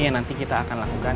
yang nanti kita akan lakukan